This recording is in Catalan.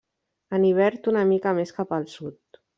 En hivern una mica més cap al sud.